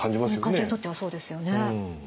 患者にとってはそうですよね。